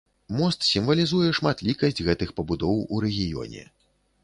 Мост сімвалізуе шматлікасць гэтых пабудоў у рэгіёне.